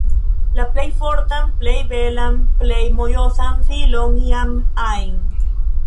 La plej fortan, plej belan, plej mojosan filon iam ajn